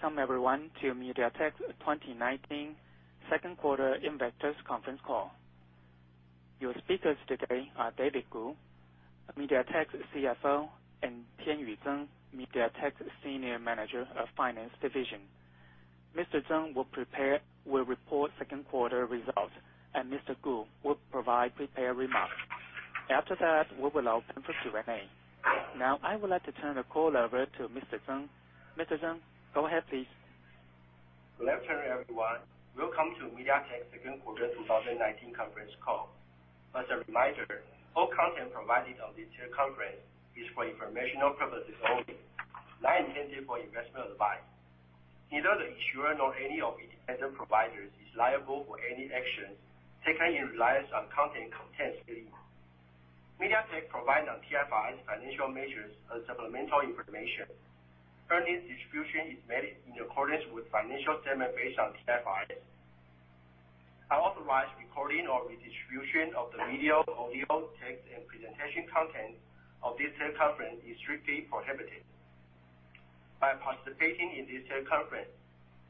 Welcome everyone to MediaTek's 2019 second quarter investors conference call. Your speakers today are David Ku, MediaTek's CFO, and Tienyu Tseng, MediaTek's Senior Manager of Finance Division. Mr. Tseng will report second quarter results, and Mr. Ku will provide prepared remarks. After that, we will open for Q&A. Now, I would like to turn the call over to Mr. Tseng. Mr. Tseng, go ahead please. Good afternoon, everyone. Welcome to MediaTek's second quarter 2019 conference call. As a reminder, all content provided on this conference is for informational purposes only, not intended for investment advice. Neither the issuer nor any of its asset providers is liable for any actions taken in reliance on content contained herein. MediaTek provide on IFRS financial measures as supplemental information. Current distribution is made in accordance with financial statement based on IFRS. Unauthorized recording or redistribution of the video, audio, text, and presentation content of this conference is strictly prohibited. By participating in this conference,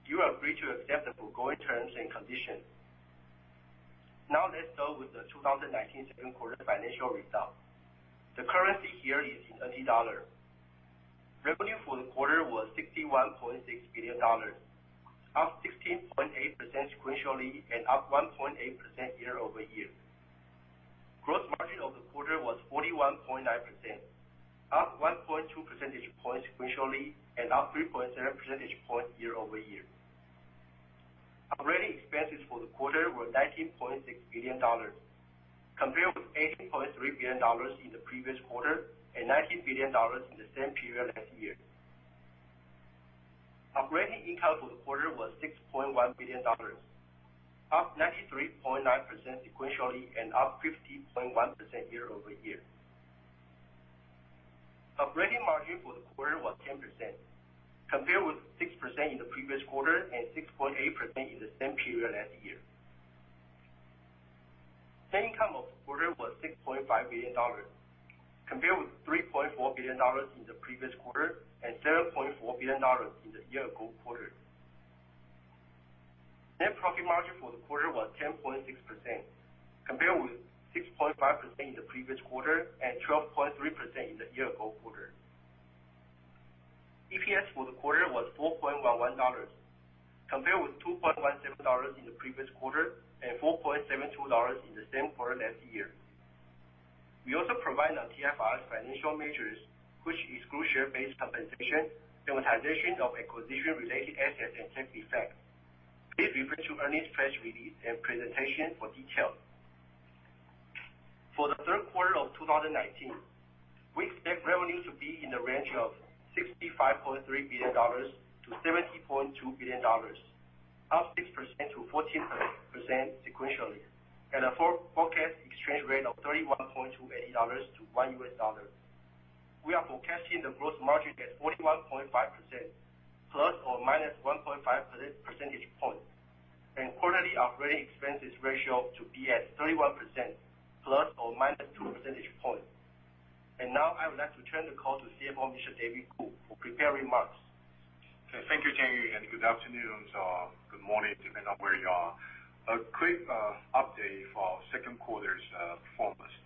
you agree to accept the foregoing terms and conditions. Let's start with the 2019 second quarter financial results. The currency here is in USD. Revenue for the quarter was 61.6 billion dollars, up 16.8% sequentially and up 1.8% year-over-year. Gross margin of the quarter was 41.9%, up 1.2 percentage points sequentially and up 3.7 percentage points year-over-year. Operating expenses for the quarter were 19.6 billion dollars, compared with 18.3 billion dollars in the previous quarter and 19 billion dollars in the same period last year. Operating income for the quarter was 6.1 billion dollars, up 93.9% sequentially and up 50.1% year-over-year. Operating margin for the quarter was 10%, compared with 6% in the previous quarter and 6.8% in the same period last year. Net income of the quarter was 6.5 billion dollars, compared with 3.4 billion dollars in the previous quarter and 7.4 billion dollars in the year-ago quarter. Net profit margin for the quarter was 10.6%, compared with 6.5% in the previous quarter and 12.3% in the year-ago quarter. EPS for the quarter was 4.11 dollars, compared with 2.17 dollars in the previous quarter and 4.72 dollars in the same quarter last year. We also provide on IFRS financial measures, which excludes share-based compensation, amortization of acquisition-related assets, and tax effects. Please refer to earnings press release and presentation for details. For the third quarter of 2019, we expect revenue to be in the range of 65.3 billion-70.2 billion dollars, up 6%-14% sequentially, at a forecast exchange rate of 31.28 dollars to one US dollar. We are forecasting the gross margin at 41.5%, ±1.5 percentage points, and quarterly operating expenses ratio to be at 31%, ±two percentage points. Now I would like to turn the call to CFO, Mr. David Ku, for prepared remarks. Okay. Thank you, Tienyu. Good afternoon or good morning, depending on where you are. A quick update for our second quarter's performance.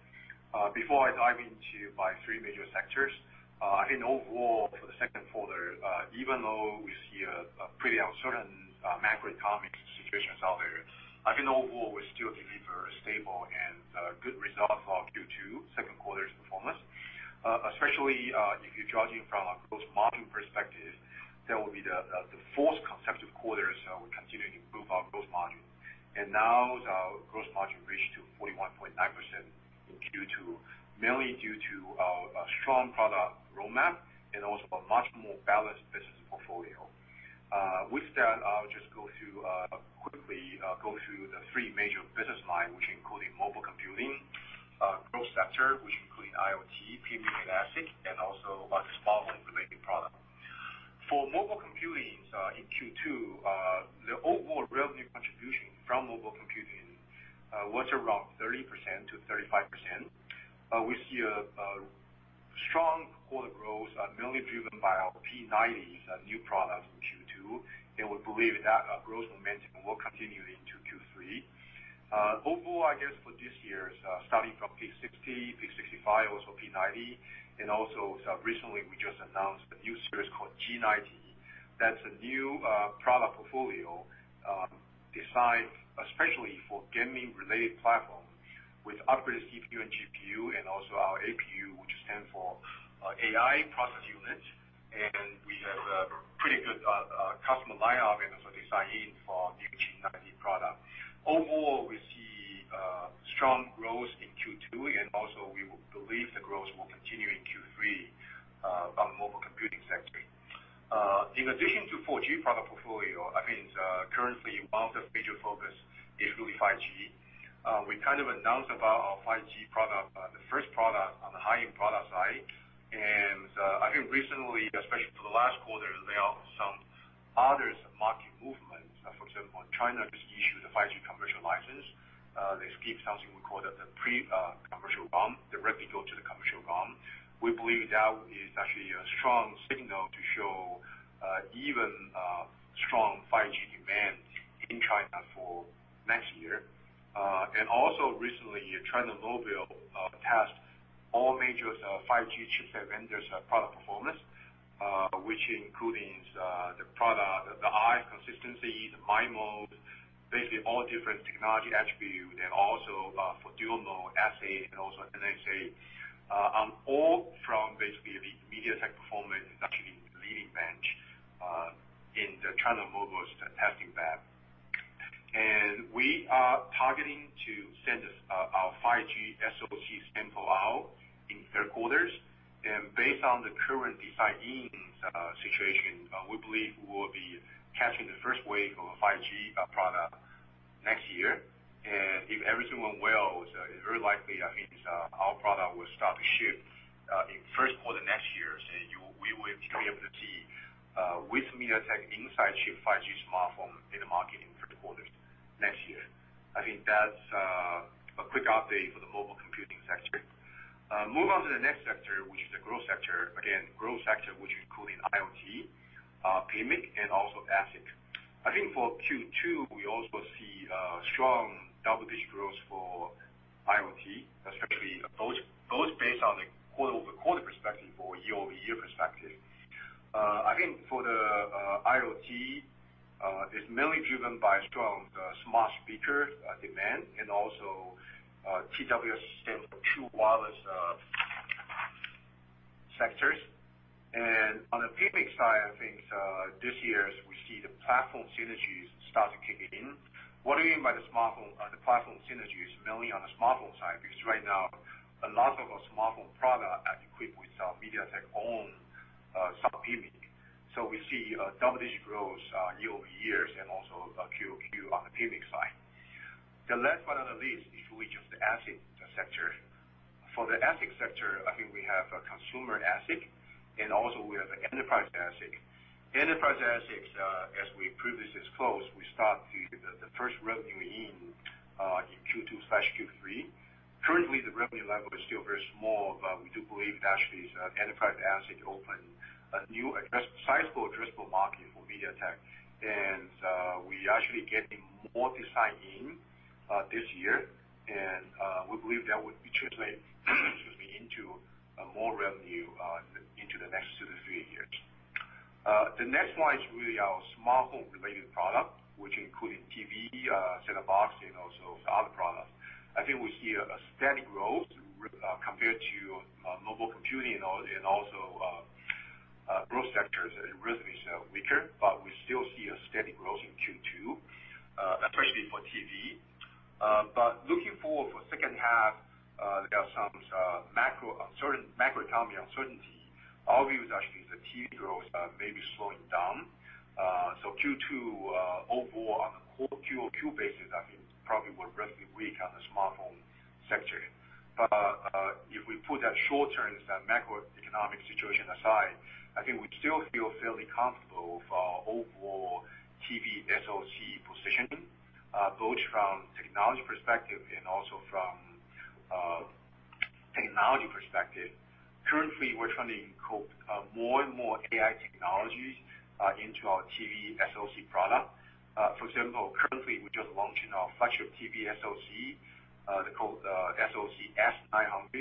Before I dive into my three major sectors, I think overall for the second quarter, even though we see a pretty uncertain macroeconomic situations out there, I think overall we still can be very stable and good results for Q2 second quarter's performance. Especially, if you're judging from a gross margin perspective, that will be the fourth consecutive quarter, so we're continuing to improve our gross margin. Now our gross margin reached to 41.9% in Q2, mainly due to our strong product roadmap and also a much more balanced business portfolio. With that, I'll just quickly go through the three major business lines, which including mobile computing, growth sector, which including IoT, premium and ASIC, and also our smart home related product. For mobile computing in Q2, the overall revenue contribution from mobile computing was around 30%-35%. We see a strong quarter growth, mainly driven by our P90 new product in Q2, and we believe that growth momentum will continue into Q3. Overall, I guess for this year, starting from P60, P65, also P90, and also recently we just announced a new series called G90. That's a new product portfolio designed especially for gaming-related platforms with upgraded CPU and GPU and also our APU, which stands for AI process unit, and we have a pretty good customer line-up and also design-ins for new G90 product. Overall, we see strong growth in Q2, and also we believe the growth will continue in Q3, on mobile computing sector. In addition to 4G product portfolio, I think currently our major focus is really 5G. We announced about our 5G product, the first product on the high-end product side, and I think recently, especially for the last quarter, there are some others market movements. For example, China just skip something we call the pre-commercial BOM, directly go to the commercial BOM. We believe that is actually a strong signal to show even strong 5G demand in China for next year. Also recently, China Mobile passed all major 5G chipset vendors product performance, which includes the product, the high consistency, the MIMO, basically all different technology attributes, and also for dual-mode SA and also NSA, all from basically, the MediaTek performance is actually leading bench in the China Mobile's testing lab. We are targeting to send our 5G SoC sample out in third quarters. Based on the current design-ins situation, we believe we will be catching the first wave of 5G product next year. If everything went well, it's very likely that our product will start to ship in first quarter next year. We will be able to see with MediaTek inside chip 5G smartphone in the market in first quarter next year. I think that's a quick update for the mobile computing sector. Move on to the next sector, which is the growth sector. Again, growth sector, which including IoT, PMIC, and also ASIC. I think for Q2, we also see strong double-digit growth for IoT, especially both based on the quarter-over-quarter perspective or year-over-year perspective. I think for the IoT, it's mainly driven by strong smart speaker demand and also TWS, true wireless sectors. On the PMIC side, I think this year, we see the platform synergies start to kick in. What do you mean by the platform synergies? Mainly on the smartphone side, because right now, a lot of our smartphone product are equipped with MediaTek own sub PMIC. We see double-digit growth, year-over-years, and also Q-over-Q on the PMIC side. The last but not the least, is which of the ASIC sector. For the ASIC sector, I think we have a consumer ASIC, and also we have an enterprise ASIC. Enterprise ASICs, as we previously disclosed, we start the first revenue in Q2/Q3. Currently, the revenue level is still very small, we do believe actually enterprise ASIC open a new sizable addressable market for MediaTek. We actually getting more design-in this year. We believe that would translate into more revenue into the next 2 to 3 years. The next one is really our smart home related product, which include TV, set-top box, and also other products. I think we see a steady growth compared to mobile computing and also growth sectors is relatively weaker, but we still see a steady growth in Q2, especially for TV. Looking forward for second half, there are some macro economy uncertainty. Our view is actually the TV growth may be slowing down. Q2 overall on a Q-over-Q basis, I think probably will be relatively weak on the smartphone sector. If we put that short-term, that macroeconomic situation aside, I think we still feel fairly comfortable with our overall TV SoC positioning, both from technology perspective and also from technology perspective. Currently, we're trying to encode more and more AI technologies into our TV SoC product. For example, currently we're just launching our flagship TV SoC, the SoC S900.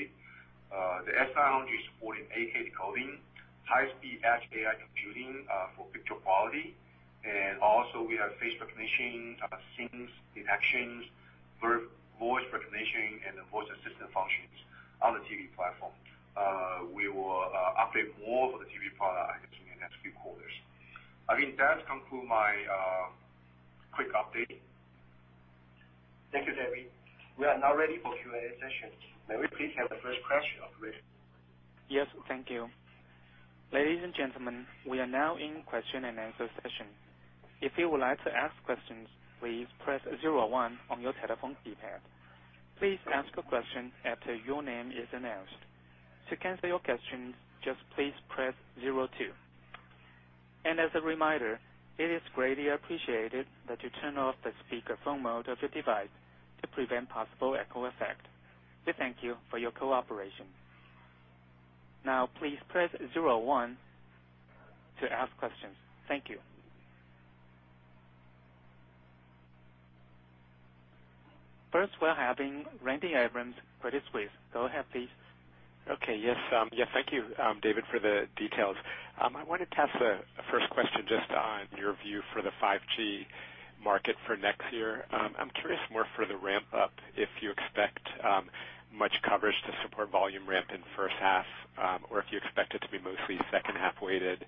The S900 is supporting 8K decoding, high speed edge AI computing for picture quality. We also have face recognition, scenes detection, voice recognition, and voice assistant functions on the TV platform. We will update more for the TV product, I guess, in the next few quarters. I think that conclude my quick update. Thank you, David. We are now ready for Q&A session. May we please have the first question operator? Yes, thank you. Ladies and gentlemen, we are now in question and answer session. If you would like to ask questions, please press 01 on your telephone keypad. Please ask a question after your name is announced. To cancel your questions, just please press 02. As a reminder, it is greatly appreciated that you turn off the speakerphone mode of your device to prevent possible echo effect. We thank you for your cooperation. Now, please press 01 to ask questions. Thank you. First, we are having Randy Abrams. Please go ahead, please. Okay. Yes. Thank you, David, for the details. I wanted to ask the first question just on your view for the 5G market for next year. I am curious more for the ramp up, if you expect much coverage to support volume ramp in first half, or if you expect it to be mostly second half weighted.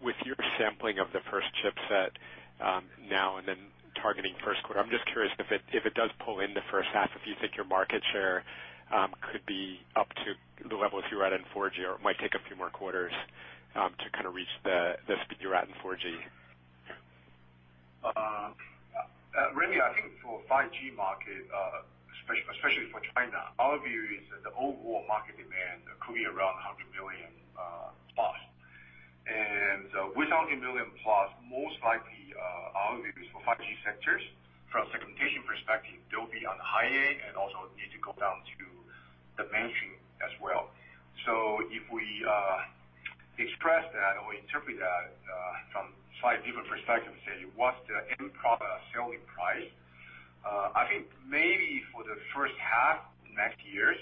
With your sampling of the first chipset now and then targeting first quarter, I am just curious if it does pull in the first half, if you think your market share could be up to the level if you were at in 4G, or it might take a few more quarters to kind of reach the speed you are at in 4G. Randy, I think for 5G market, especially for China, our view is that the overall market demand could be around 100 million. Around 1 million plus, most likely our views for 5G sectors. From a segmentation perspective, they'll be on the high end and also need to go down to the mainstream as well. If we express that or interpret that from slightly different perspective, say, what's the end product selling price? I think maybe for the first half next year,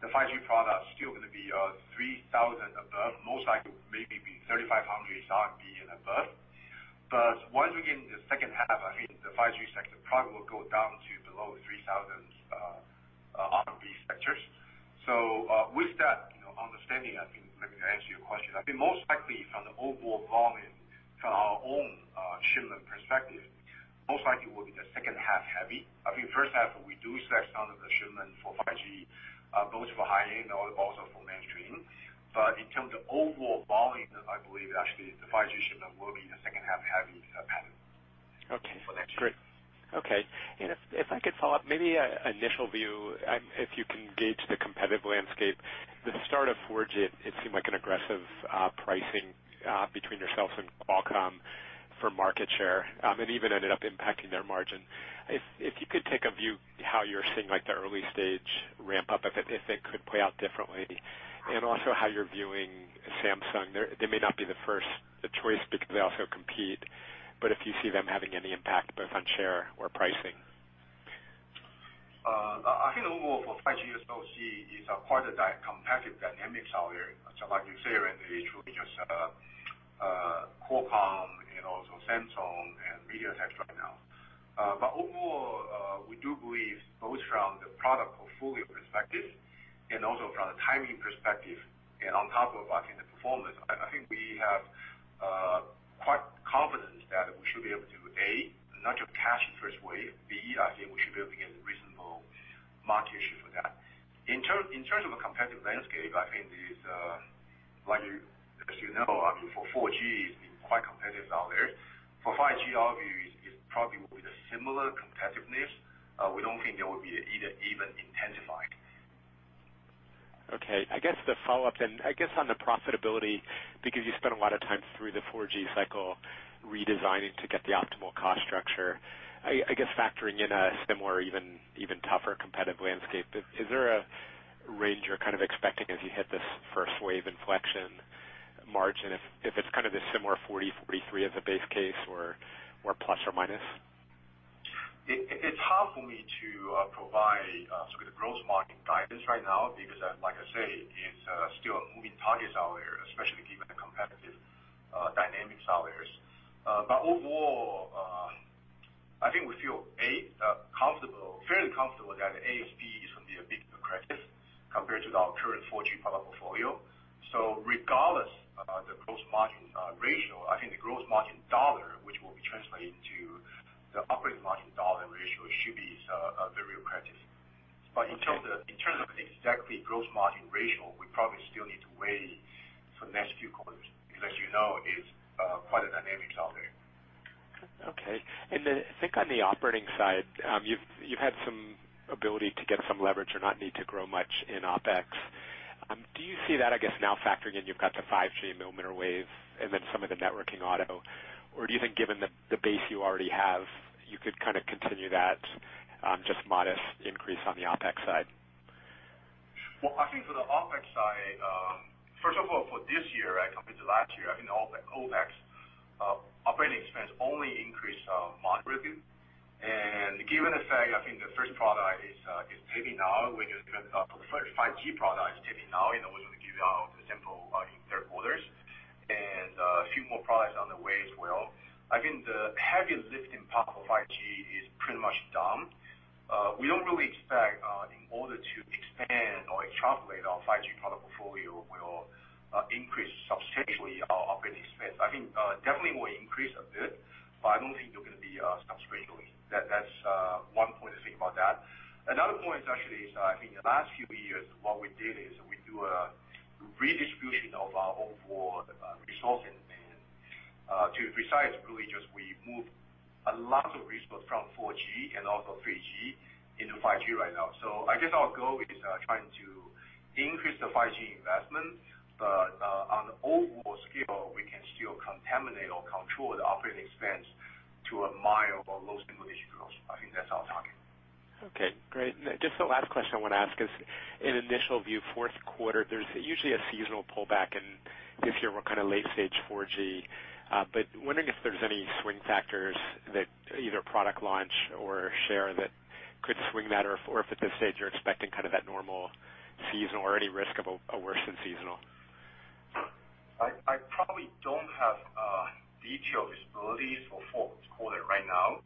the 5G product is still going to be 3,000 and above, most likely maybe 3,500 and above. Once we get into the second half, I think the 5G sector probably will go down to below 3,000 RMB sectors. With that understanding, I think let me answer your question. I think most likely from the overall volume, from our own shipment perspective, most likely will be the second-half heavy. I think first half, we do expect some of the shipment for 5G, both for high-end or also for mainstream. In terms of overall volume, I believe actually the 5G shipment will be the second-half heavy pattern. Okay. For next year. Great. Okay. If I could follow up, maybe an initial view, if you can gauge the competitive landscape, the start of 4G, it seemed like an aggressive pricing between yourselves and Qualcomm for market share, and even ended up impacting their margin. If you could take a view how you're seeing the early-stage ramp-up, if it could play out differently, and also how you're viewing Samsung. They may not be the first choice because they also compete, but if you see them having any impact both on share or pricing. I think overall for 5G SoC is quite a competitive dynamic out there. Like you say, Randy, it's really just Qualcomm and also Samsung and MediaTek right now. Overall, we do believe both from the product portfolio perspective and also from the timing perspective and on top of backend performance, I think we have quite confidence that we should be able to, A, not just cash the first wave. B, I think we should be able to get a reasonable market share for that. In terms of a competitive landscape, I think as you know, for 4G, it's been quite competitive out there. For 5G, our view is it probably will be the similar competitiveness. We don't think it will be even intensified. Okay. I guess the follow-up, I guess on the profitability, because you spent a lot of time through the 4G cycle redesigning to get the optimal cost structure. I guess factoring in a similar, even tougher competitive landscape, is there a range you're expecting as you hit this first wave inflection margin if it's this similar 40%-43% as a base case or plus or minus? It's hard for me to provide sort of the gross margin guidance right now because, like I say, it's still a moving target out there, especially given the competitive dynamics out there. Overall, I think we feel, A, fairly comfortable that ASP is going to be accretive compared to our current 4G product portfolio. Regardless of the gross margin ratio, I think the gross margin dollar, which will be translated into the operating margin dollar ratio, should be very accretive. In terms of exactly gross margin ratio, we probably still need to wait for next few quarters, because as you know, it's quite a dynamic out there. Okay. Then I think on the operating side, you've had some ability to get some leverage or not need to grow much in OpEx. Do you see that, I guess now factoring in you've got the 5G millimeter wave and then some of the networking auto, or do you think given the base you already have, you could continue that just modest increase on the OpEx side? Well, I think for the OpEx side, first of all, for this year compared to last year, I think OpEx, operating expense, only increased moderately. Given the fact, I think the first product is taping out, the first 5G product is taping out, and we're going to give out the sample in third quarters, and a few more products on the way as well. I think the heavy lifting part for 5G is pretty much done. We don't really expect in order to expand or extrapolate our 5G product portfolio will increase substantially our operating expense. I think definitely will increase a bit, but I don't think they're going to be substantially. That's one point to think about that. Another point is actually, I think the last few years, what we did is we do a redistribution of our overall resource and man. To precise, really just we moved a lot of resource from 4G and also 3G into 5G right now. I guess our goal is trying to increase the 5G investment, but on the overall scale, we can still contain or control the operating expense to a mild or low single-digit growth. I think that's our target. Okay, great. Just the last question I want to ask is, in initial view, fourth quarter, there's usually a seasonal pullback and this year we're late stage 4G. Wondering if there's any swing factors that either product launch or share that could swing that, or if at this stage you're expecting that normal season or any risk of a worsened seasonal? I probably don't have detailed visibilities for fourth quarter right now.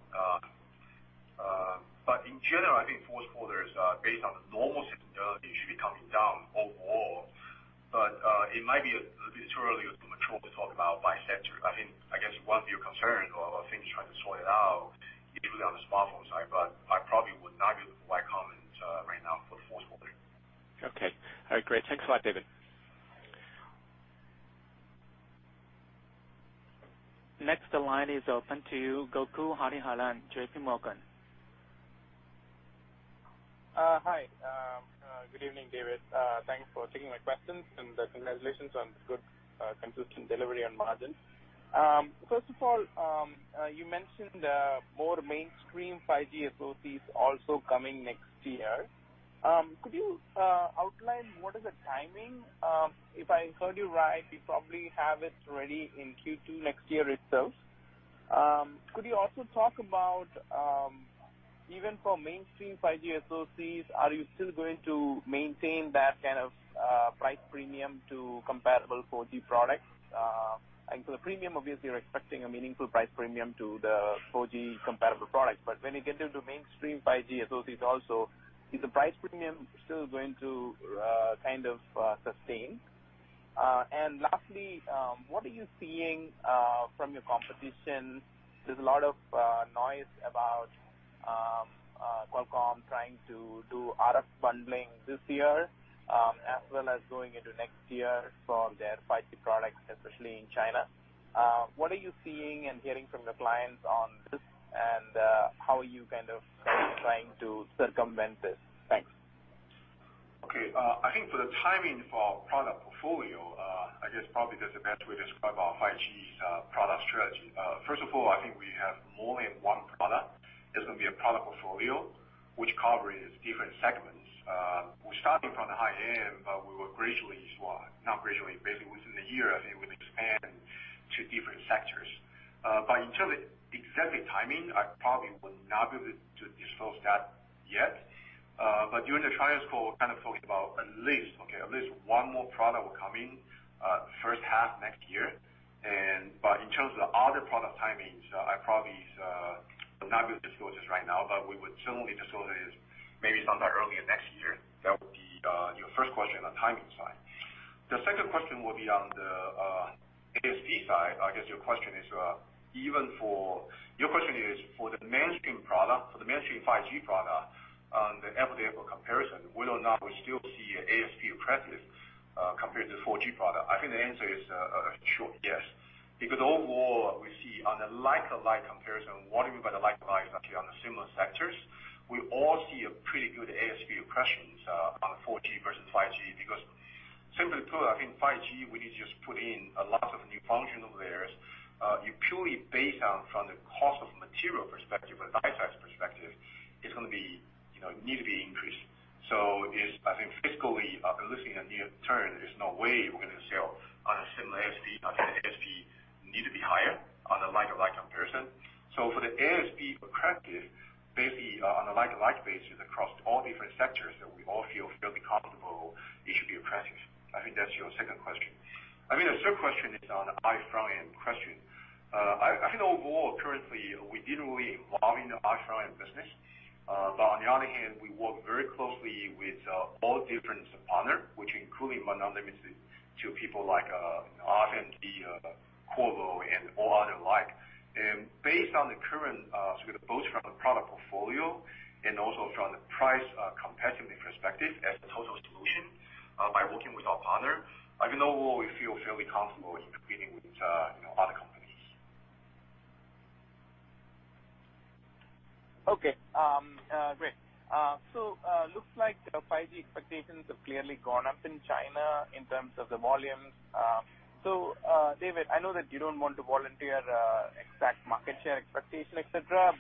In general, I think fourth quarter, based on the normal seasonality, it should be coming down overall. It might be a little bit too early or too premature to talk about by sector. I think, I guess one view concern or things trying to sort out, usually on the smartphone side, but I probably would not give a wide comment right now for fourth quarter. Okay. All right, great. Thanks a lot, David. Next, the line is open to Gokul Hariharan, JP Morgan. Hi. Good evening, David. Thanks for taking my questions, and congratulations on the good consistent delivery and margins. First of all, you mentioned more mainstream 5G SoCs also coming next year. Could you outline what is the timing? If I heard you right, you probably have it ready in Q2 next year itself. Could you also talk about, even for mainstream 5G SoCs, are you still going to maintain that kind of price premium to comparable 4G products? For the premium, obviously, we're expecting a meaningful price premium to the 4G comparable product. When you get into mainstream 5G SoCs also, is the price premium still going to kind of sustain? Lastly, what are you seeing from your competition? There's a lot of noise about Qualcomm trying to do RF bundling this year, as well as going into next year for their 5G products, especially in China. What are you seeing and hearing from your clients on this, and how are you kind of trying to circumvent this? Thanks. Okay. I think for the timing for our product portfolio, I guess probably that's the best way to describe our 5G product strategy. First of all, I think we have more than one product. There's going to be a product portfolio which covers different segments. We're starting from the high-end, we will gradually swap. Not gradually, basically within the year, I think we'll expand to different sectors. Until the exact timing, I probably will not be able to disclose that yet. During the trials call, kind of talking about at least one more product will come in first half next year. In terms of the other product timings, I probably will not be able to disclose this right now, but we would certainly disclose this maybe sometime early next year. That would be your first question on timing side. The second question will be on the ASP side. I guess your question is, for the mainstream 5G product, on the apples-to-apples comparison, will or not we still see ASP accretive compared to the 4G product? I think the answer is a short yes. Overall, we see on a like-to-like comparison, what do we mean by like-to-like? Actually, on the similar sectors, we all see a pretty good ASP accretions on 4G versus 5G. Simply put, I think 5G, we need to just put in lots of new functional layers. You purely based on from the cost of material perspective or device size perspective, it's going to need to be increased. I think physically, I've been listening to Neil turn, there's no way we're going to sell on a similar ASP. I think the ASP need to be higher on a like-to-like comparison. For the ASP accretive, basically, on a like-to-like basis across all different sectors that we all feel fairly comfortable it should be accretive. I think that's your second question. I mean, the third question is on the RF front-end question. I think overall, currently, we didn't really involve in the RF front-end business. On the other hand, we work very closely with all different partners, which including but not limited to people like RFMD, Qorvo, and all other like. Based on the current, sort of both from the product portfolio and also from the price competitiveness perspective as the total solution, by working with our partner, I think overall, we feel fairly comfortable in competing with other companies. Okay. Great. Looks like the 5G expectations have clearly gone up in China in terms of the volumes. David, I know that you don't want to volunteer exact market share expectation, et cetera.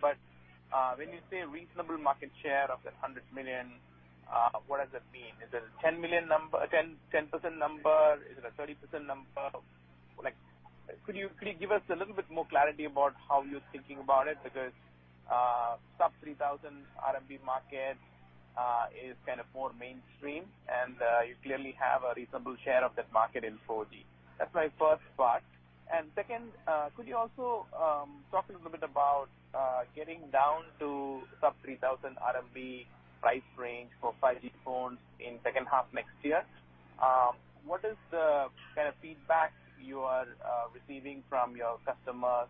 When you say reasonable market share of that 100 million, what does that mean? Is it a 10% number? Is it a 30% number? Could you give us a little bit more clarity about how you're thinking about it? Because sub-3,000 RMB market is kind of more mainstream, and you clearly have a reasonable share of that market in 4G. That's my first part. Second, could you also talk a little bit about getting down to sub-3,000 RMB price range for 5G phones in second half next year? What is the kind of feedback you are receiving from your customers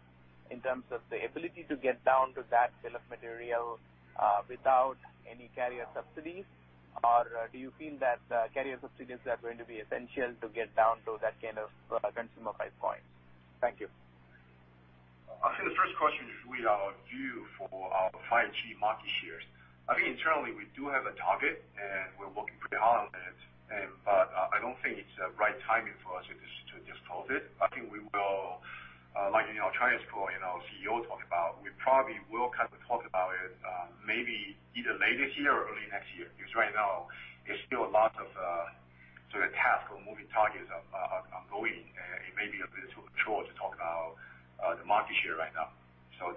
in terms of the ability to get down to that bill of material without any carrier subsidies? Do you feel that carrier subsidies are going to be essential to get down to that kind of consumer price point? Thank you. I think the first question is really on view for our 5G market shares. I think internally, we do have a target, and we're working pretty hard on it. I don't think it's the right timing for us to disclose it. I think we will, like in our trials call, our CEO talked about, we probably will kind of talk about it maybe either later this year or early next year. Right now, there's still a lot of sort of task or moving targets ongoing, and it may be a bit too short to talk about the market share right now.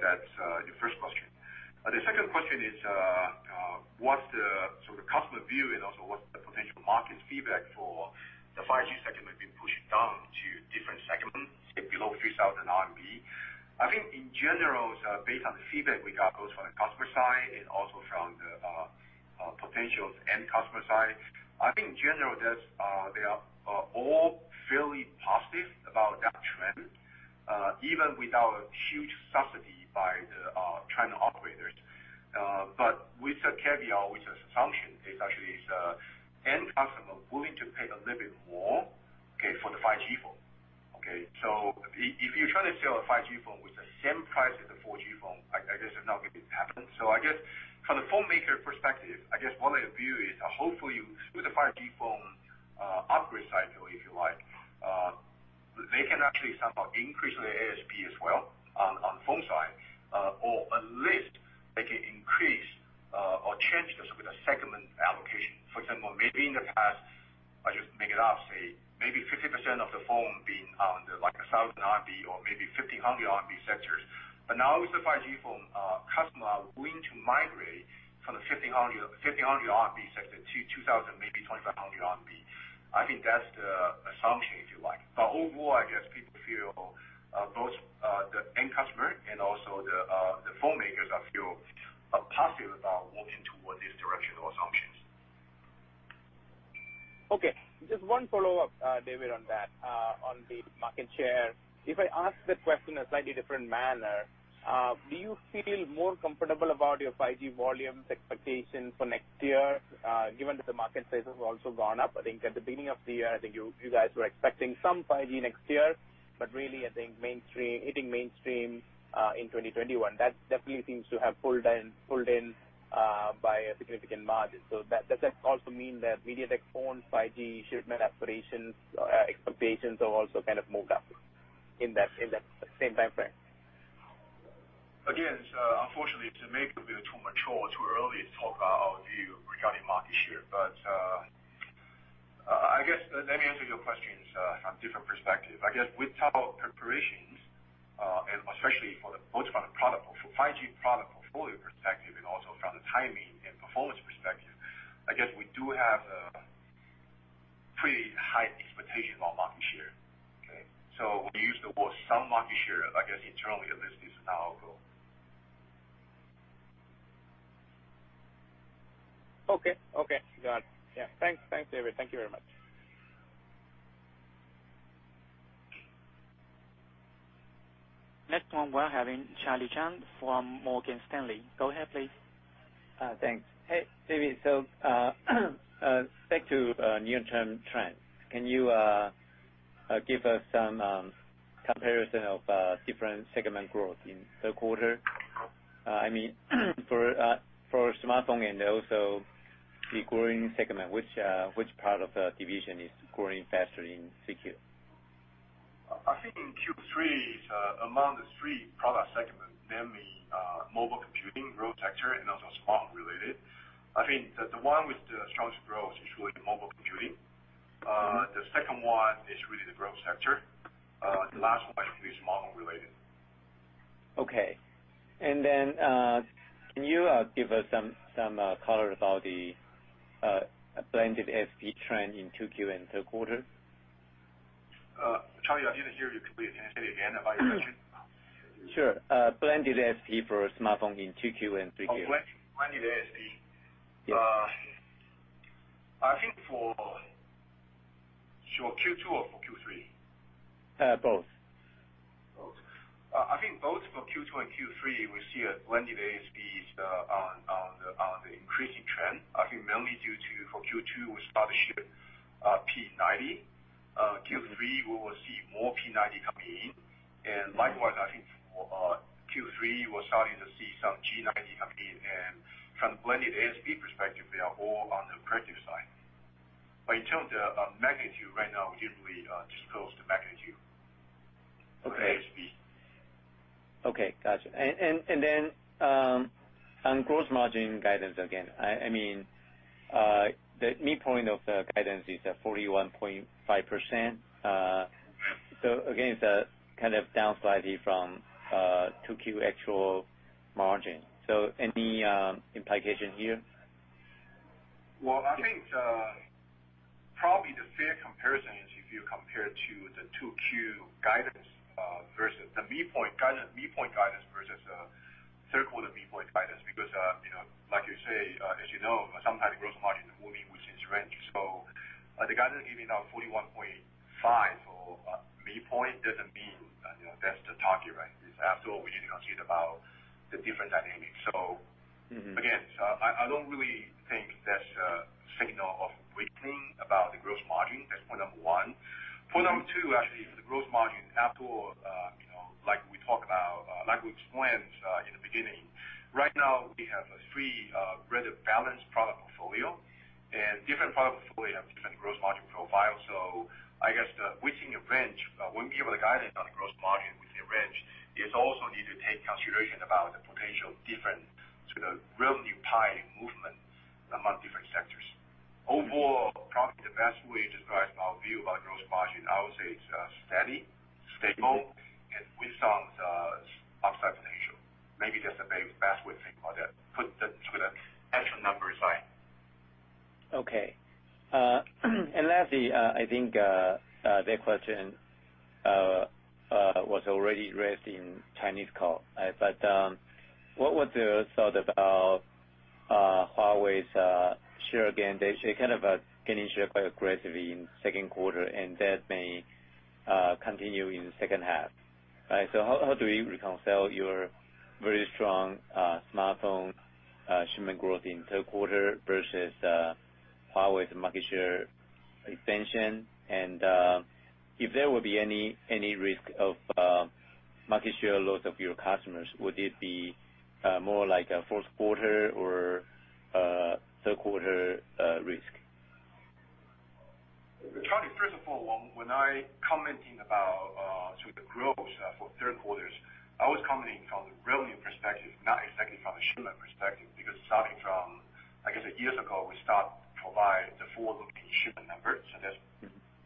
That's your first question. The second question is, what's the sort of customer view and also what's the potential market feedback for the 5G segment being pushed down to different segments, say below 3,000 RMB. I think in general, based on the feedback we got both from the customer side and also from the potential end customer side, I think in general, they are all fairly positive about that trend, even without a huge subsidy by the China operators. With a caveat, with assumption, is actually it's end customer for the 5G phone. Okay, if you're trying to sell a 5G phone with the same price as the 4G phone, I guess it's not going to happen. I guess from the phone maker perspective, I guess one of the view is, hopefully, with the 5G phone upgrade cycle, if you like, they can actually somehow increase their ASP as well on phone side, or at least they can increase or change the sort of segment allocation. For example, maybe in the past, I just make it up, say maybe 50% of the phone being on the like 1,000 RMB or maybe 1,500 RMB sectors. Now with the 5G phone, customer are going to migrate from the 1,500 sector to 2,000, maybe 2,500 RMB. I think that's the assumption, if you like. Overall, I guess people feel, both the end customer and also the phone makers are positive about moving towards this direction or assumptions. Okay. Just one follow-up, David, on that, on the market share. If I ask the question in a slightly different manner, do you feel more comfortable about your 5G volumes expectations for next year, given that the market size has also gone up? I think at the beginning of the year, I think you guys were expecting some 5G next year, really, I think hitting mainstream in 2021. That definitely seems to have pulled in by a significant margin. Does that also mean that MediaTek phone 5G shipment expectations have also kind of moved up in that same time frame? Unfortunately, to make a view too mature or too early to talk about our view regarding market share. I guess, let me answer your questions from a different perspective. I guess with top operations, and especially both from a 5G product portfolio perspective and also from the timing and performance perspective, I guess we do have a pretty high expectation on market share. Okay? We use the word some market share, I guess internally, at least, this is not our goal. Okay. Got it. Yeah. Thanks, David. Thank you very much. Next one, we're having Charlie Chan from Morgan Stanley. Go ahead, please. Thanks. Hey, David. Back to near-term trends. Can you give us some comparison of different segment growth in third quarter? I mean, for smartphone, and also the growing segment, which part of the division is growing faster in 2Q? I think in Q3 is, among the three product segments, namely mobile computing, growth sector, and also smartphone related. I think that the one with the strongest growth is really the mobile computing. The second one is really the growth sector. The last one is smartphone related. Okay. Can you give us some color about the blended ASP trend in 2Q and third quarter? Charlie, I didn't hear you completely. Can you say it again, about your question? Sure. Blended ASP for smartphone in 2Q and 3Q. Oh, blended ASP. Yes. I think for Sure Q2 or for Q3? Both. Both. I think both for Q2 and Q3, we see a blended ASP on the increasing trend. I think mainly due to, for Q2, we start to ship P90. Q3, we will see more P90 coming in, and likewise, I think for Q3, we're starting to see some G90 coming in. From blended ASP perspective, they are all on the positive side. In terms of magnitude right now, we didn't really disclose the magnitude. Okay of ASP. Okay, got you. On gross margin guidance, again, the midpoint of the guidance is at 41.5%. Again, it's kind of down slightly from 2Q actual margin. Any implication here? Well, I think, probably the fair comparison is if you compare to the 2Q guidance versus the midpoint guidance versus the third quarter midpoint guidance because, like you say, as you know, sometime the gross margin moving within range. The guidance giving out 41.5% or midpoint doesn't mean that's the target, right? After all, we need to consider about the different dynamics. I don't really think that's a signal of weakening about the gross margin. That's point number one. Point number two, actually, for the gross margin, after, like we talked about, like we explained, in the beginning, right now we have a free, rather balanced product portfolio, and different product portfolio have different gross margin profile. I guess the within a range, when we give a guidance on the gross margin within range, it also need to take consideration about the potential different sort of revenue pie movement among different sectors. Overall, probably the best way to describe our view about gross margin, I would say it's steady, stable, and with some upside potential. Maybe that's the best way to think about that. Put the sort of actual numbers aside. Okay. Lastly, I think, the question was already raised in Chinese call. What was the thought about Huawei's share gain? They actually kind of gaining share quite aggressively in second quarter, and that continue in the second half. How do we reconcile your very strong smartphone shipment growth in third quarter versus Huawei's market share expansion? If there will be any risk of market share loss of your customers, would it be more like a fourth quarter or third quarter risk? Charlie, first of all, when I commenting about sort of the growth for third quarters, I was commenting from the revenue perspective, not exactly from the shipment perspective, because starting from, I guess a years ago, we stopped providing the forward-looking shipment numbers. That's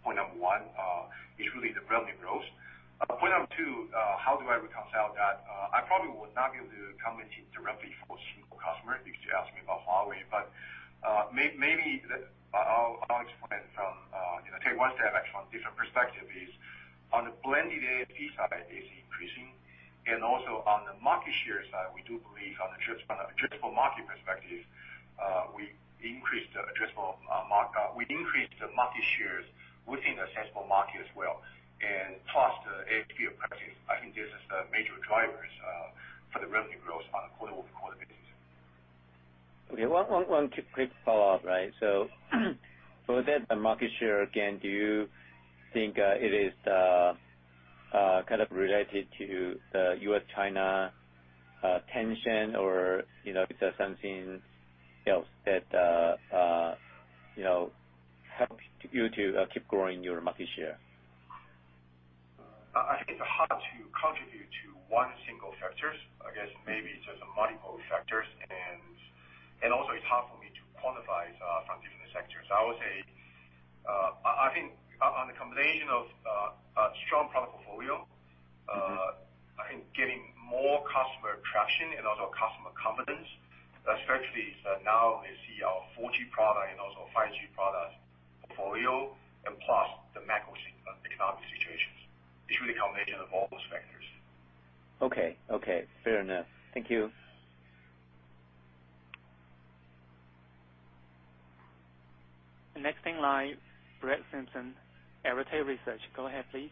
point 1, is really the revenue growth. Point 2, how do I reconcile that? I probably would not be able to comment directly for single customer, because you asked me about Huawei, but maybe I'll explain from, take one step back from different perspective is, on the blended ASP side, it is increasing. On the market share side, we do believe on addressable market perspective, we increased the market shares within accessible market as well, and plus the ASP approaches. I think this is the major drivers for the revenue growth on a quarter-over-quarter basis. Okay. One quick follow-up. Within the market share, again, do you think it is kind of related to the US-China tension or if there's something else that helps you to keep growing your market share? I think it's hard to contribute to one single factors. I guess maybe it is multiple factors, and also it's hard for me to quantify from different sectors. I would say, I think on the combination of strong product portfolio, I think getting more customer traction and also customer confidence, especially now they see our 4G product and also 5G product portfolio, and plus the macroeconomic situations. It's really a combination of all those factors. Okay. Fair enough. Thank you. Next in line, Brett Simpson, Arete Research. Go ahead, please.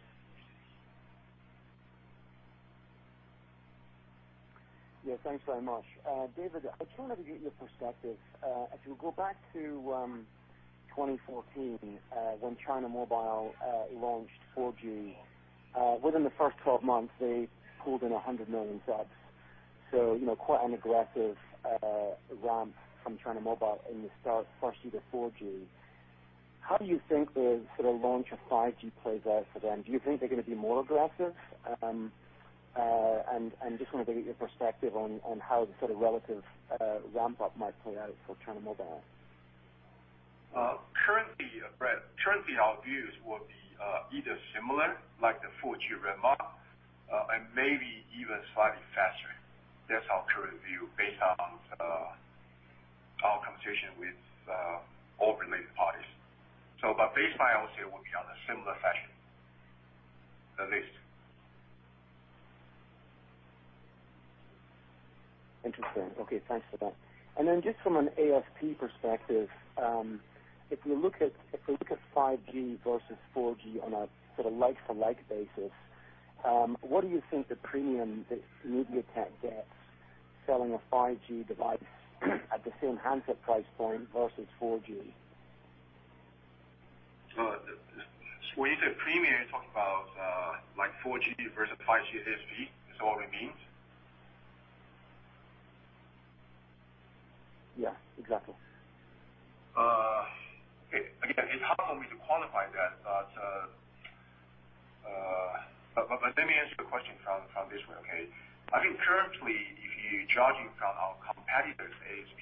Yeah, thanks very much. David, I just wanted to get your perspective. If you go back to 2014, when China Mobile launched 4G. Within the first 12 months, they pulled in 100 million subs. Quite an aggressive ramp from China Mobile in the start, firstly, the 4G. How do you think the sort of launch of 5G plays out for them? Do you think they're going to be more aggressive? Just want to get your perspective on how the sort of relative ramp-up might play out for China Mobile. Currently, Brett, our views will be either similar, like the 4G ramp-up, and maybe even slightly faster. That's our current view, based on our conversation with all related parties. Based by, I would say we'll be on a similar fashion, at least. Interesting. Okay, thanks for that. Just from an ASP perspective, if we look at 5G versus 4G on a sort of like-for-like basis, what do you think the premium that MediaTek gets selling a 5G device at the same handset price point versus 4G? When you say PMIC, you're talking about 4G versus 5G ASP? Is that what it means? Yeah, exactly. Again, it's hard for me to qualify that. Let me answer your question from this way, okay? I think currently, if you're judging from our competitive ASP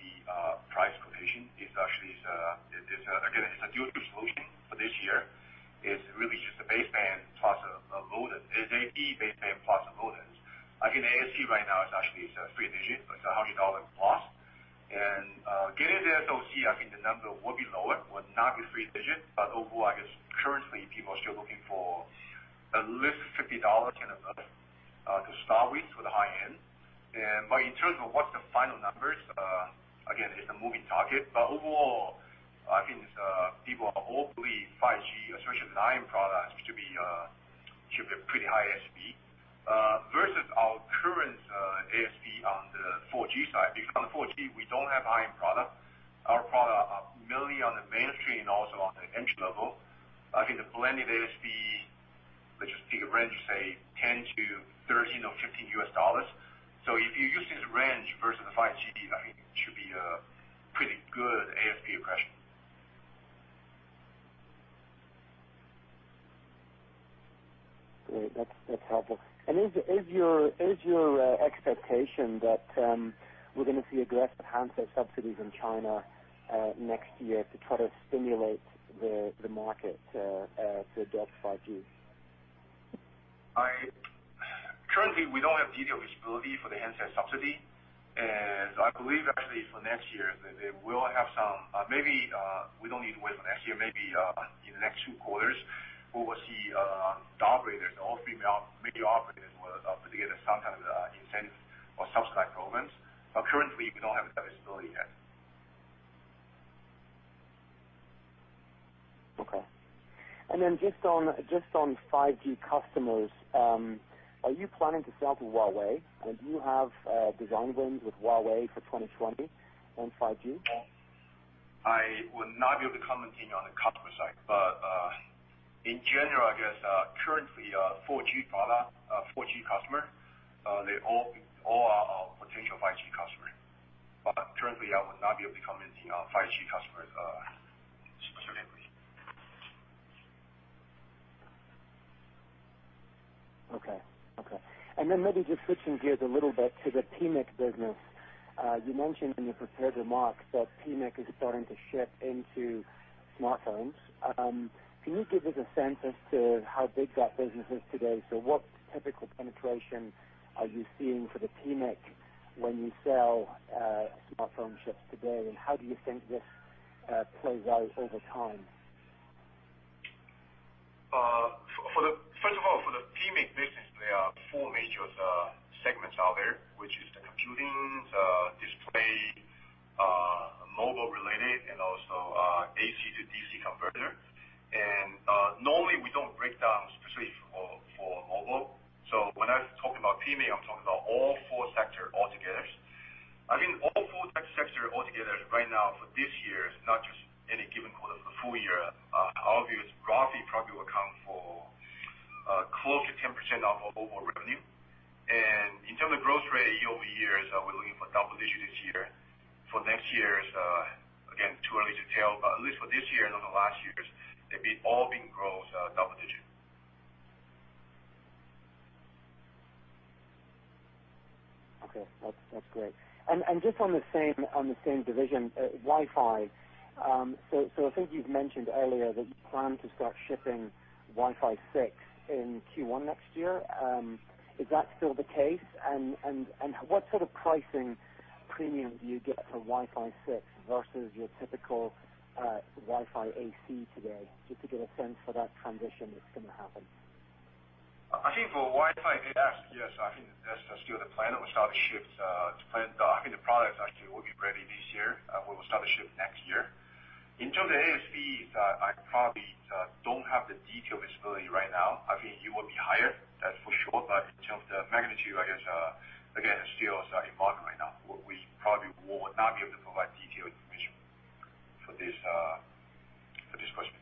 price quotation, it actually is, again, it's a dual solution for this year, is really just the baseband plus a modem. It is AP baseband plus a modem. ASP right now is actually a three digit, it's 100 dollar plus. Getting the SoC, I think the number will be lower, will not be three digit, but overall, I guess currently, people are still looking for at least 50 dollars kind of to start with, for the high-end. In terms of what's the final numbers, again, it's a moving target. Overall, I think people all believe 5G, especially the IM products, to be pretty high ASP. Versus our current ASP on the 4G side, because on the 4G, we don't have IM product. Our product are mainly on the mainstream and also on the entry level. I think the blended ASP, let's just pick a range of, say, $10 to $13 or $15. If you use this range versus the 5G, I think it should be a pretty good ASP approach. Great. That's helpful. Is your expectation that we're going to see aggressive handset subsidies in China next year to try to stimulate the market to adopt 5G? Currently, we don't have detailed visibility for the handset subsidy, and I believe actually for next year, that they will have some. Maybe, we don't need to wait for next year, maybe in the next two quarters, we will see the operators, all three major operators. Okay. Just on 5G customers, are you planning to sell to Huawei? Do you have design-ins with Huawei for 2020 on 5G? I would not be able to comment on the customer side. In general, I guess, currently, 4G product, 4G customer, they all are our potential 5G customer. Currently, I would not be able to comment on 5G customers, specifically. Okay. Maybe just switching gears a little bit to the PMIC business. You mentioned in your prepared remarks that PMIC is starting to ship into smartphones. Can you give us a sense as to how big that business is today? What typical penetration are you seeing for the PMIC when you sell smartphone chips today, and how do you think this plays out over time? First of all, for the PMIC business, there are four major segments out there, which is the computing, display, mobile-related, and also AC-to-DC converter. Normally we don't break down specifically for mobile. When I talk about PMIC, I'm talking about all four sectors altogether. I think all four tech sectors altogether right now for this year, not just any given quarter, for the full year, our view is roughly probably will account for close to 10% of our overall revenue. In terms of growth rate year-over-year, we're looking for double digits this year. For next year, again, too early to tell, but at least for this year and on the last years, they've all been growth double digits. Okay. That's great. Just on the same division, Wi-Fi. I think you've mentioned earlier that you plan to start shipping Wi-Fi 6 in Q1 next year. Is that still the case, and what sort of pricing PMIC do you get for Wi-Fi 6 versus your typical Wi-Fi AC today, just to get a sense for that transition that's going to happen? I think for Wi-Fi, yes. I think that's still the plan, that we'll start to ship to plan. I think the product actually will be ready this year. We will start to ship next year. In terms of ASP, I probably don't have the detailed visibility right now. I think it will be higher, that's for sure. In terms of the magnitude, I guess, again, it's still evolving right now. We probably would not be able to provide detailed information for this question.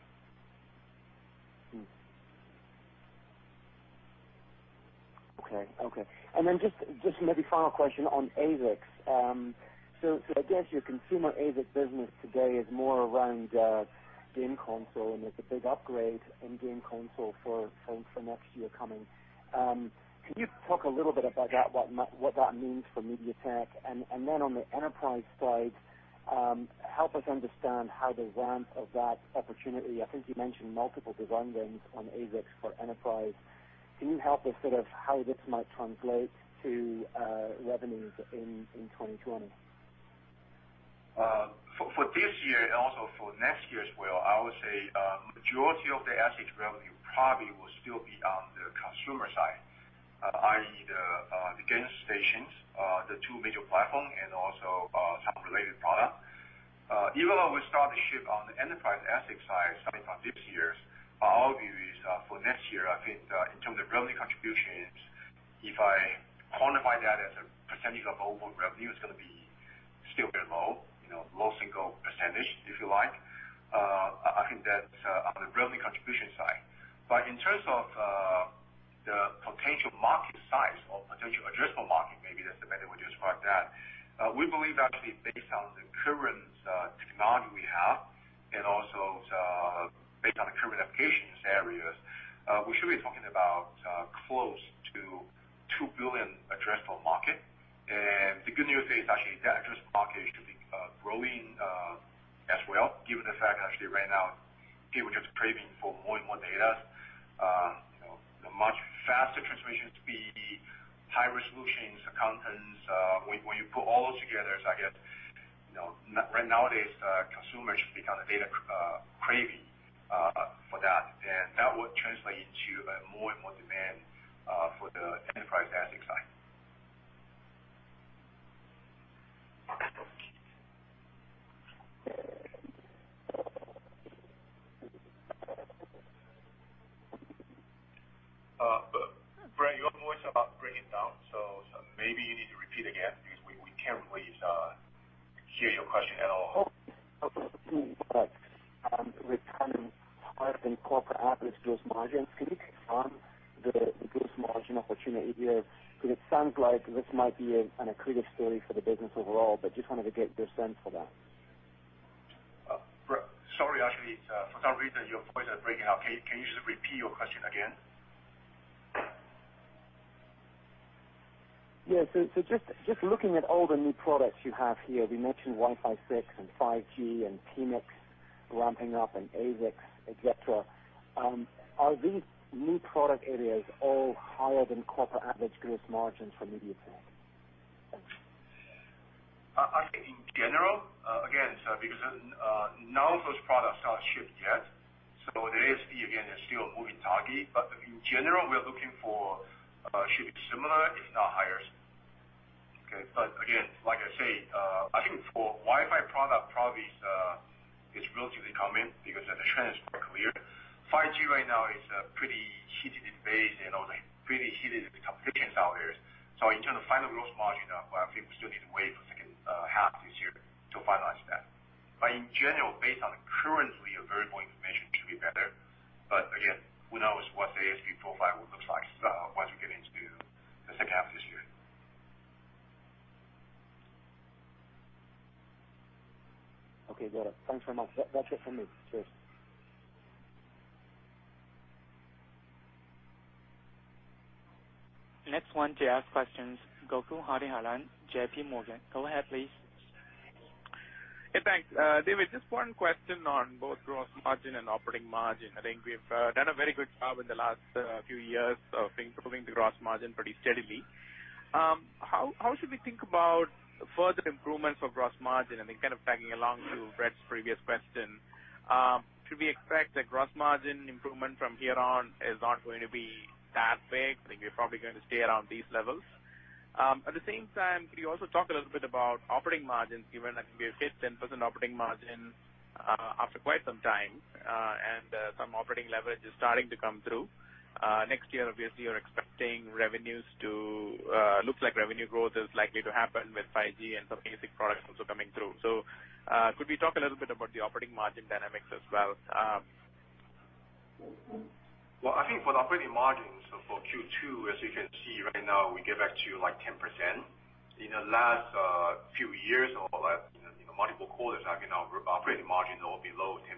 Okay. Just maybe final question on ASICs. I guess your consumer ASIC business today is more around game console, and there's a big upgrade in game console for next year coming. Can you talk a little bit about that, what that means for MediaTek? On the enterprise side, help us understand how the ramp of that opportunity, I think you mentioned multiple design-ins on ASICs for enterprise. Can you help us sort of how this might translate to revenues in 2020? For this year and also for next year as well, I would say, majority of the ASIC revenue probably will still be on the consumer side. I.e., the game stations, the two major platforms, and also some related product. Even though we start to ship on the enterprise ASIC side, starting from this year, our view is for next year, I think, in terms of revenue contributions, if I quantify that as a % of overall revenue, it's going to be still very low. Low single %, if you like. I think that's on the revenue contribution side. But in terms of the potential market size or potential addressable market, maybe that's a better way to describe that. We believe actually based on the current technology we have, and also based on the current applications areas, we should be talking about close to 2 billion addressable market. The good news is actually that addressable market should be growing as well, given the fact actually right now, people are just craving for more and more data. The much faster transmission speed, high-resolution contents. When you put all those together, right nowadays, consumers should be data craving for that. That would translate into more and more demand for the enterprise ASIC side. Brad, your voice is breaking down, so maybe you need to repeat again because we can't really hear your question at all. Okay. With timing higher than corporate average gross margins, can you comment on the gross margin opportunity here? It sounds like this might be an accretive story for the business overall. Just wanted to get your sense for that. Brad, sorry, actually, for some reason, your voice is breaking up. Can you just repeat your question again? Yeah. Just looking at all the new products you have here, we mentioned Wi-Fi 6 and 5G and PMIC ramping up and ASICs, et cetera. Are these new product areas all higher than corporate average gross margins for MediaTek? Thanks. I think in general, again, because none of those products are shipped yet, so the ASP, again, is still a moving target. In general, we are looking for should be similar, if not higher. Again, like I say, I think for Wi-Fi product, probably it's relatively common because the trend is quite clear. 5G right now is pretty heated in base and also pretty heated in competitions out there. In terms of final gross margin, I think we still need to wait for second half this year to finalize that. In general, based on currently available information, it should be better. Again, who knows what the ASP profile will look like once we get into the second half of this year. Okay, got it. Thanks very much. That's it from me. Cheers. Next one to ask questions, Gokul Hariharan, JP Morgan. Go ahead, please. Hey, thanks. David, just one question on both gross margin and operating margin. I think we've done a very good job in the last few years of improving the gross margin pretty steadily. How should we think about further improvements of gross margin? Then kind of tagging along to Brett's previous question, should we expect the gross margin improvement from here on is not going to be that big? I think we're probably going to stay around these levels. At the same time, could you also talk a little bit about operating margins, given, I think we hit 10% operating margin after quite some time, and some operating leverage is starting to come through. Next year, obviously, you're expecting revenues, looks like revenue growth is likely to happen with 5G and some ASIC products also coming through. Could we talk a little bit about the operating margin dynamics as well? Well, I think for the operating margins for Q2, as you can see right now, we get back to 10%. In the last few years or multiple quarters, our operating margin is below 10%.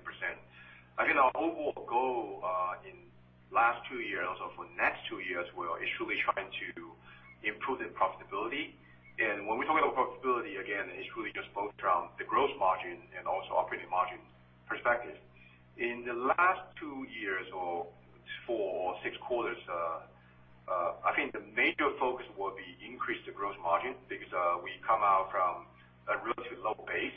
Again, our overall goal in last two years or for next two years, we are actually trying to improve the profitability. When we're talking about profitability, again, it's really just both from the gross margin and also operating margin perspectives. In the last two years or four, six quarters, I think the major focus will be increase the gross margin because we come out from a relatively low base.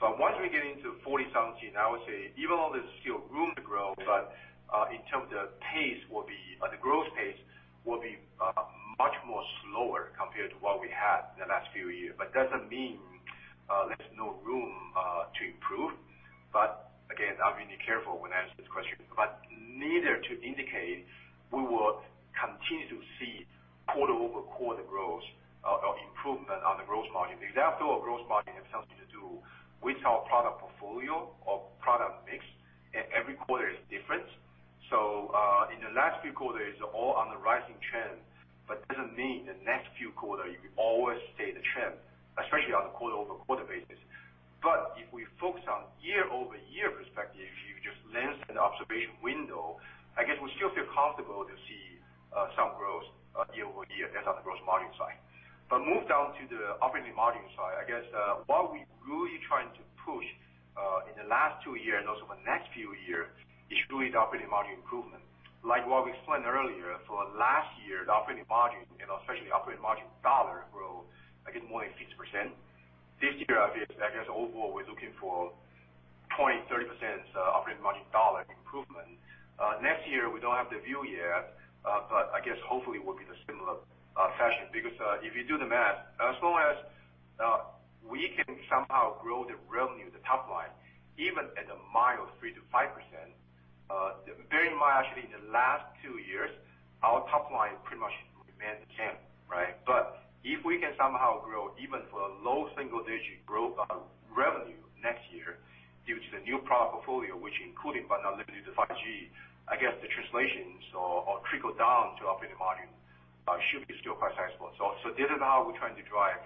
Once we get into 40 something, I would say even though there's still room to grow, but in terms of the growth pace will be much more slower compared to what we had in the last few years. Doesn't mean there's no room to improve. Again, I'm really careful when I answer this question, but neither to indicate we will continue to see quarter-over-quarter growth of improvement on the gross margin. After all, gross margin have something to do with our product portfolio or product mix, and every quarter is different. In the last few quarters, all on the rising trend, but doesn't mean the next few quarter you always stay the trend, especially on a quarter-over-quarter basis. If we focus on year-over-year perspective, if you just lengthen the observation window, I guess we still feel comfortable to see some growth year-over-year as on the gross margin side. Move down to the operating margin side, I guess, what we're really trying to push, in the last 2 years and also for next few years, is really the operating margin improvement. Like what we explained earlier, for last year, the operating margin, and especially operating margin TWD grow, I think more than 50%. This year, I guess overall, we're looking for 20%-30% operating margin TWD improvement. Next year, we don't have the view yet. I guess hopefully will be the similar fashion, because if you do the math, as long as we can somehow grow the revenue, the top line, even at a mild 3%-5%, very much actually in the last two years, our top line pretty much remained the same, right? If we can somehow grow even for a low single-digit growth of revenue next year due to the new product portfolio, which including, but not limited to 5G, I guess the translations or trickle down to operating margin should be still quite sizable. This is how we're trying to drive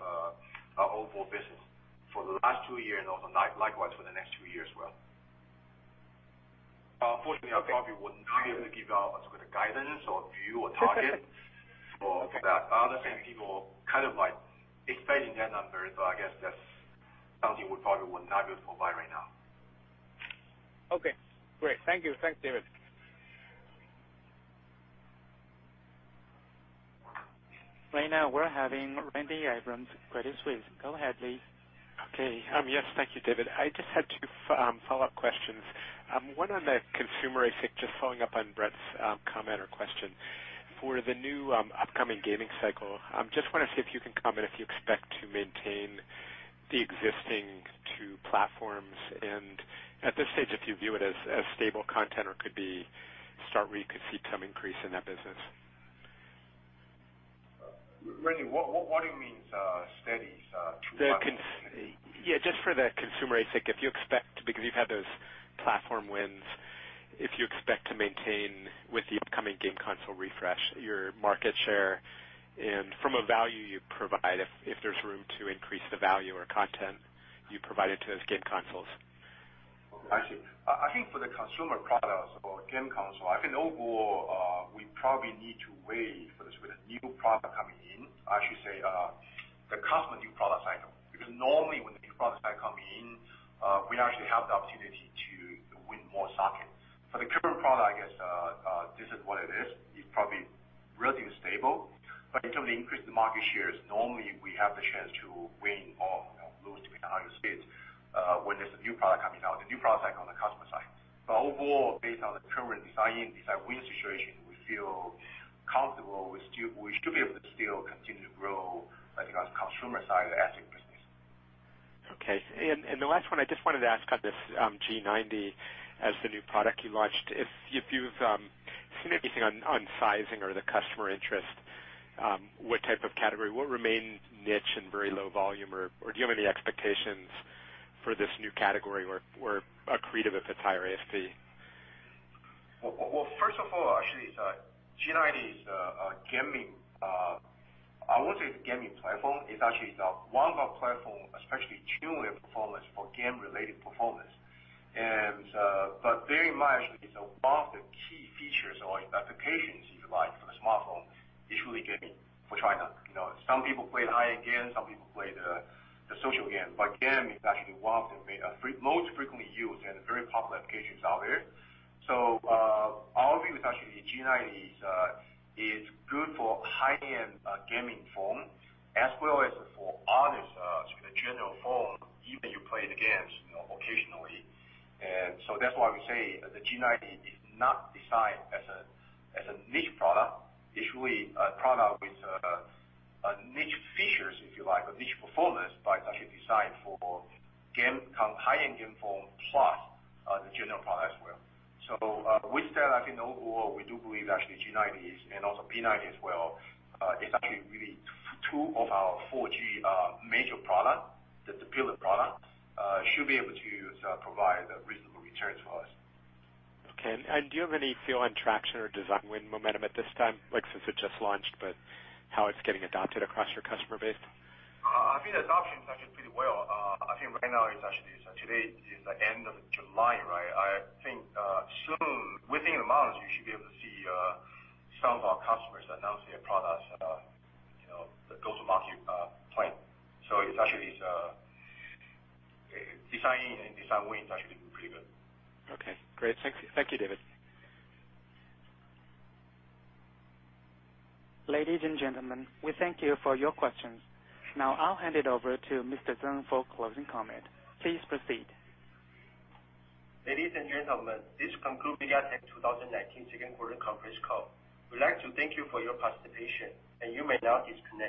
our overall business for the last two years and also likewise for the next two years as well. Unfortunately, I probably would not be able to give out a sort of guidance or view or target for that. Other same people kind of like expanding their numbers. I guess that's something we probably would not be able to provide right now. Okay, great. Thank you. Thanks, David. Right now we're having Randy Abrams, Credit Suisse. Go ahead, please. Okay. Yes, thank you, David. I just had two follow-up questions. One on the consumer ASIC, just following up on Brett's comment or question. For the new upcoming gaming cycle, just want to see if you can comment if you expect to maintain the existing two platforms, and at this stage, if you view it as stable content or could be start where you could see some increase in that business. Randy, what do you mean steady? Yeah, just for the consumer ASIC, because you've had those platform wins, if you expect to maintain with the upcoming game console refresh your market share and from a value you provide, if there's room to increase the value or content you provided to those game consoles. I see. I think for the consumer products or game console, I think overall, we probably need to wait for the sort of new product coming in. I should say, the customer new product cycle. Normally when the new products come in, we actually have the opportunity to win more sockets. For the current product, I guess, this is what it is. It's probably relatively stable. In terms of increase the market shares, normally we have the chance toInaudible state when there's a new product coming out, the new product on the customer side. Overall, based on the current design-in situation, we feel comfortable. We should be able to still continue to grow consumer side ASIC business. Okay. The last one, I just wanted to ask on this G90 as the new product you launched. If you've seen anything on sizing or the customer interest, what type of category, what remain niche and very low volume, or do you have any expectations for this new category or accretive if it's higher ASP? Well, first of all, actually, G90 is a gaming, I won't say it's a gaming platform. It's actually one of our platform, especially tuned performance for game-related performance. Very much, it's one of the key features or applications, if you like, for the smartphone, usually gaming for China. Some people play the high-end game, some people play the social game. Game is actually one of the most frequently used and very popular applications out there. Our view is actually, G90 is good for high-end gaming phone as well as for others, the general phone, even if you play the games occasionally. That's why we say the G90 is not designed as a niche product, usually a product with niche features, if you like, or niche performance, but actually designed for high-end game phone plus the general product as well. With that, I think overall, we do believe actually G90 is, and also P90 as well, is actually really two of our 4G major product, the pillar product, should be able to provide reasonable returns for us. Okay. Do you have any feel on traction or design win momentum at this time? Since it just launched, but how it's getting adopted across your customer base? I think the adoption is actually pretty well. I think right now, today is the end of July, right? I think soon, within the month, you should be able to see some of our customers announce their products, the go-to-market plan. Design win is actually pretty good. Okay, great. Thank you, David. Ladies and gentlemen, we thank you for your questions. Now I'll hand it over to Mr. Tseng for closing comment. Please proceed. Ladies and gentlemen, this concludes MediaTek 2019 second quarter conference call. We would like to thank you for your participation, and you may now disconnect.